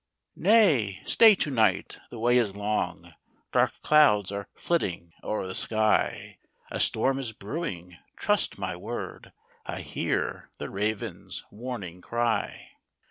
226 " Nay, stay to night the way is long ; Dark clouds are flitting o'er the sky ; A storm is brewing, trust my word, — I hear the raven's warning cry.